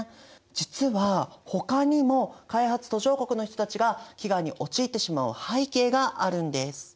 実はほかにも開発途上国の人たちが飢餓に陥ってしまう背景があるんです。